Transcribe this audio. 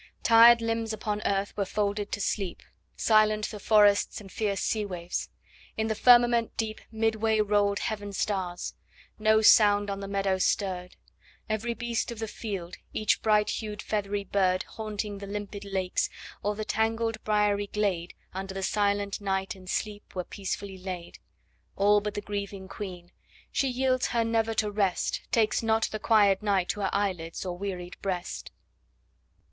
Tired limbs upon earth were folded to sleep, Silent the forests and fierce sea waves; in the firmament deep Midway rolled heaven's stars; no sound on the meadow stirred; Every beast of the field, each bright hued feathery bird Haunting the limpid lakes, or the tangled briary glade, Under the silent night in sleep were peacefully laid: All but the grieving Queen. She yields her never to rest, Takes not the quiet night to her eyelids or wearied breast.